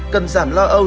cần giảm lo âu